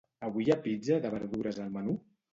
Avui hi ha pizza de verdures al menú?